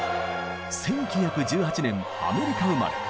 １９１８年アメリカ生まれ。